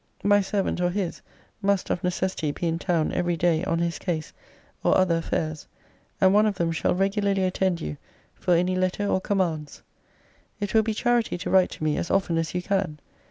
My servant or his must of necessity be in town every day on his case, or other affairs; and one of them shall regularly attend you for any letter or commands. It will be charity to write to me as often as you can.